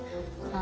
あ。